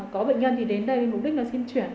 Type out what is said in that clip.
có bệnh nhân thì đến đây mục đích là xin chuyển